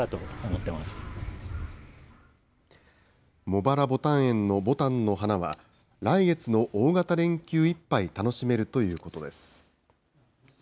茂原牡丹園のぼたんの花は、来月の大型連休いっぱい楽しめるということです。